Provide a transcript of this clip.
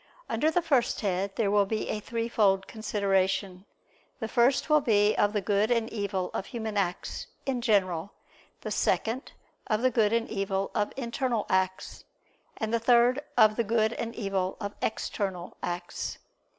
Under the first head there will be a threefold consideration: the first will be of the good and evil of human acts, in general; the second, of the good and evil of internal acts; the third, of the good and evil of external acts.